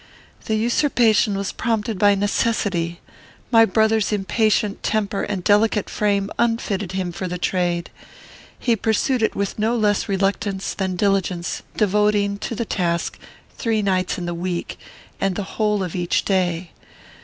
"The usurpation was prompted by necessity. My brother's impatient temper and delicate frame unfitted him for the trade. He pursued it with no less reluctance than diligence, devoting to the task three nights in the week, and the whole of each day.